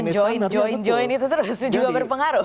karena cak imin join join itu terus juga berpengaruh